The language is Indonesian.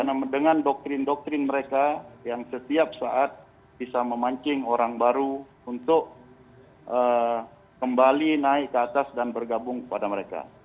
karena dengan doktrin doktrin mereka yang setiap saat bisa memancing orang baru untuk kembali naik ke atas dan bergabung kepada mereka